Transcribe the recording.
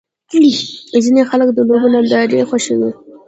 ځینې خلک د لوبو نندارې خوښوي.